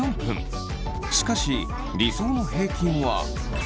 しかし理想の平均は８分。